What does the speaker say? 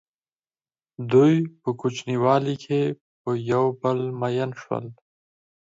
دوی په کوچنیوالي کې په یو بل مئین شول.